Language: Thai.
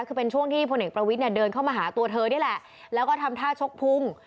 คือเป็นช่วงที่พลเอกประวิทย์เนี่ยเดินเข้ามาหาตัวเธอนี่แหละแล้วก็ทำท่าชกพุง